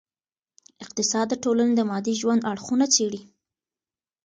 اقتصاد د ټولني د مادي ژوند اړخونه څېړي.